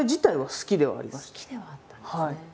好きではあったんですね。